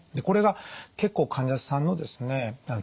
これが結構患者さんのですね